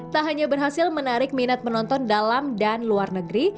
tak hanya berhasil menarik minat penonton dalam dan luar negeri